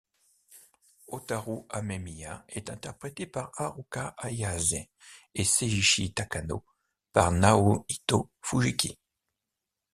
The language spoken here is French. Hotaru Amemiya est interprété par Haruka Ayase et Seiichi Takano par Naohito Fujiki.